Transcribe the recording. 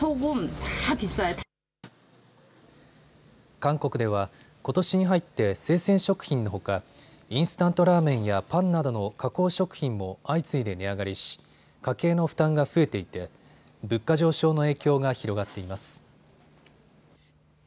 韓国では、ことしに入って生鮮食品のほかインスタントラーメンやパンなどの加工食品も相次いで値上がりし家計の負担が増えていて物価上昇の影響が広がっています。